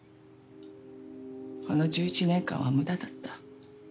この１１年間は無駄だった。